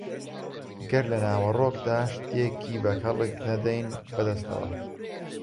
گەر لە ناوەڕۆکدا شتێکی بە کەڵک نەدەین بەدەستەوە